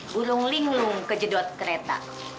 burung linglung kejedot kereta